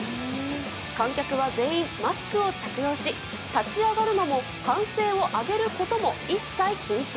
観客は全員マスクを着用し立ち上がるのも歓声を上げることも一切禁止。